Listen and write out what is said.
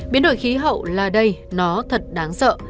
biến đổi khí hậu là đây nó thật đáng sợ